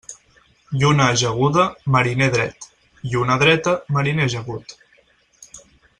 Lluna ajaguda, mariner dret; lluna dreta, mariner ajagut.